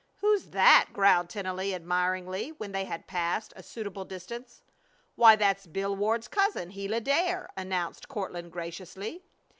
"Who's that?" growled Tennelly, admiringly, when they had passed a suitable distance. "Why, that's Bill Ward's cousin, Gila Dare," announced Courtland, graciously.